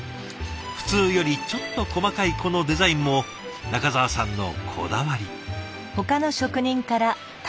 普通よりちょっと細かいこのデザインも仲澤さんのこだわり。